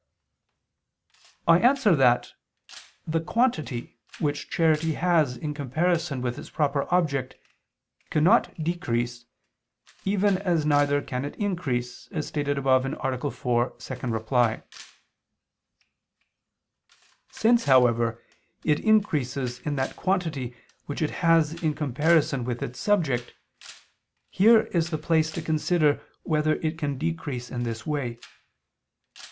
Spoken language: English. I answer that, The quantity which charity has in comparison with its proper object, cannot decrease, even as neither can it increase, as stated above (A. 4, ad 2). Since, however, it increases in that quantity which it has in comparison with its subject, here is the place to consider whether it can decrease in this way.